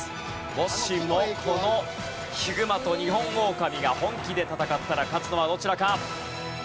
もしもこのヒグマとニホンオオカミが本気で戦ったら勝つのはどちらか？